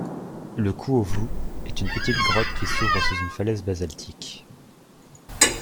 Le Kouo Vu est une petite grotte qui s'ouvre sous une falaise basaltique.